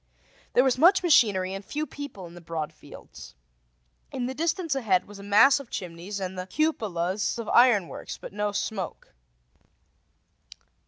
There was much machinery and a few people in the broad fields. In the distance ahead was a mass of chimneys and the cupolas of iron works, but no smoke.